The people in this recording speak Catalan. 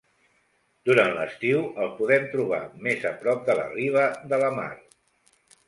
Durant l'estiu el podem trobar més a prop de la riba de la mar.